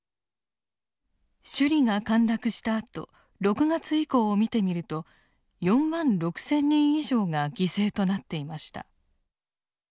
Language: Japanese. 首里が陥落したあと６月以降を見てみると４万６，０００人以上が犠牲となっていました。